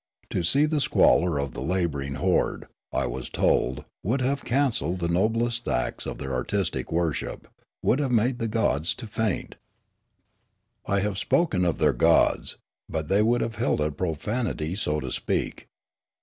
To see the squalor of the labouring horde, I was told, would have cancelled the noblest acts of their artistic worship, would have made the gods to faint. I have spoken of their gods ; but they would have held it profanity so to speak.